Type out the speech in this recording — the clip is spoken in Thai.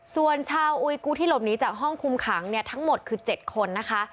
ส่วนชาวอุยกูที่หลบหนีจากห้องคุมขังเนี่ยทั้งหมดคือ๗คนนะคะ